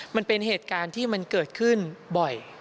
มันเป็นเหตุการณ์ที่มันเกิดขึ้นบ่อย